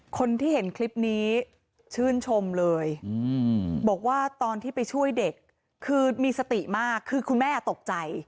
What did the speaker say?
คนที่เห็นคลิปนี้ชื่นชมเลยบอกว่าตอนที่ไปช่วยเด็กคือมีสติมากคือคุณแม่ตกใจ